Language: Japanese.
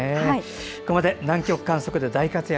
ここまで南極観測で大活躍